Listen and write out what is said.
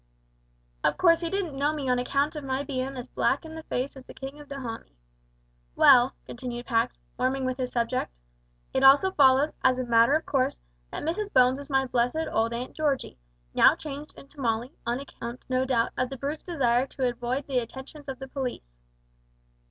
Of course he didn't know me on account of my bein' as black in the face as the King of Dahomey. Well," continued Pax, warming with his subject, "it also follows, as a matter of course, that Mrs Bones is my blessed old aunt Georgie now changed into Molly, on account, no doubt, of the Brute's desire to avoid the attentions of the police.